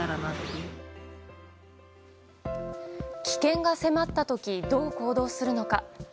危険が迫った時どう行動するのか。